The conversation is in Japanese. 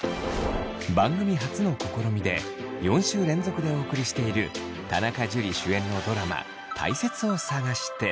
番組初の試みで４週連続でお送りしている田中樹主演のドラマ「たいせつを探して」。